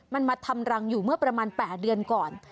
มันมาทำรังอยู่เมื่อประมาณ๘เดือนก่อน